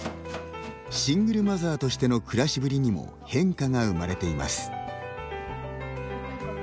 シングルマザーとしての暮らしぶりにも変化が生まれています。